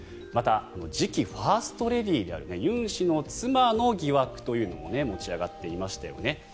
また次期ファーストレディーであるユン氏の妻の疑惑というのも持ち上がっていましたよね。